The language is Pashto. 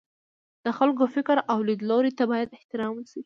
د خلکو فکر او لیدلوریو ته باید احترام وشي.